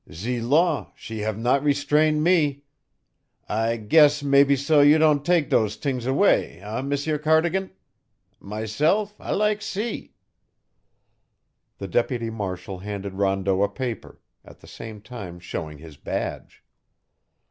"Ze law, she have not restrain' me. I guess mebbeso you don' take dose theengs away, eh, M'sieur Cardigan. Myself, I lak see." The deputy marshal handed Rondeau a paper, at the same time showing his badge.